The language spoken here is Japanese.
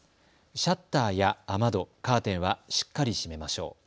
シャッターや雨戸、カーテンはしっかり閉めましょう。